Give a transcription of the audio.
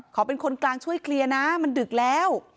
ขอเป็นคนกลางช่วยเคลียร์นะมันดึกแล้ว